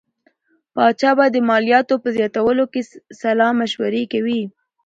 پاچا به د مالیاتو په زیاتولو کې سلا مشورې کوي.